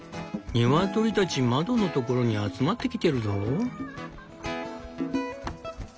「ニワトリたち窓のところに集まってきてるぞ」。